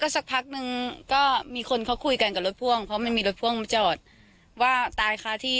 ตรงที่ทำงานตรงหัวนั้นพอดีไง